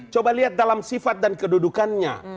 coba lihat dalam sifat dan kedudukannya